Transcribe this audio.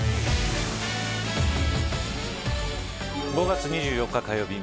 ５月２４日火曜日